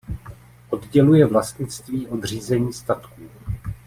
Odděluje vlastnictví od řízení statků.